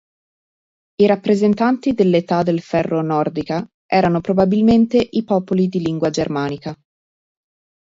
I rappresentanti dell'età del ferro nordica erano probabilmente i popoli di lingua germanica.